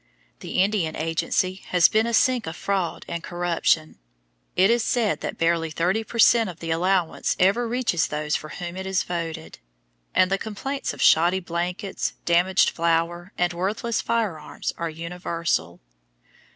The Indian Agency has been a sink of fraud and corruption; it is said that barely thirty per cent of the allowance ever reaches those for whom it is voted; and the complaints of shoddy blankets, damaged flour, and worthless firearms are universal.